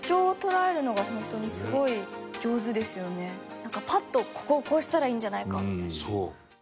なんかパッとここをこうしたらいいんじゃないかみたいな。